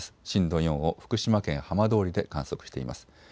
震度４を福島県浜通りで観測しています。